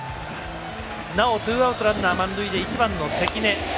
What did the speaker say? なおツーアウト、ランナー満塁で１番の関根。